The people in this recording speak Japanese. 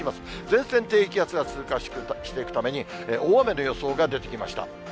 前線、低気圧が通過していくために、大雨の予想が出てきました。